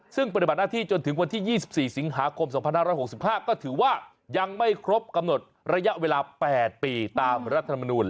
ซึ่งปฏิบัติหน้าที่จนถึงวันที่๒๔สิงหาคม๒๕๖๕ก็ถือว่ายังไม่ครบกำหนดระยะเวลา๘ปีตามรัฐมนูล